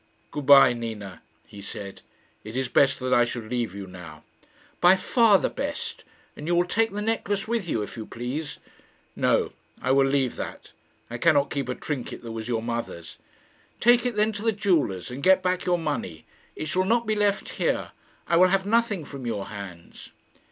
"Good bye, Nina," he said. "It is best that I should leave you now." "By far the best; and you will take the necklace with you, if you please." "No; I will leave that. I cannot keep a trinket that was your mother's." "Take it, then, to the jeweller's, and get back your money. It shall not be left here. I will have nothing from your hands."